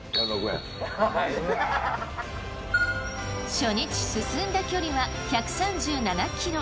初日進んだ距離は１３７ｋｍ。